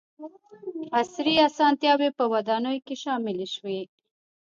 • عصري اسانتیاوې په ودانیو کې شاملې شوې.